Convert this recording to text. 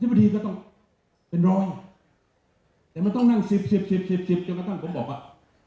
อธิบดีก็ต้องเป็นร้อยแต่มันต้องนั่งสิบจนกระตั่งผมบอกว่า